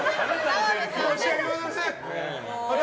申し訳ございません！